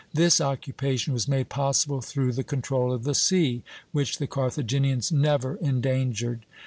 This occupation was made possible through the control of the sea, which the Carthaginians never endangered.